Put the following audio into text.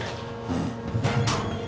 うん。